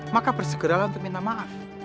maka bersegeralah untuk minta maaf